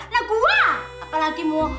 nah gua apalagi mau